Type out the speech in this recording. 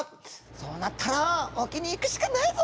そうなったら沖に行くしかないぞ！」と。